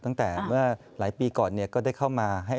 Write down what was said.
ตั้งแต่เมื่อหลายปีก่อนก็ได้เข้ามาให้